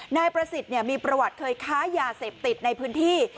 นายประสิทธิ์มีประวัติเคยค้ายาเสพติดในพื้นที่